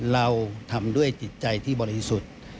เราทำด้วยจิตใจที่บริสุทธิ์